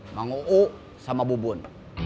mang uu sama bubun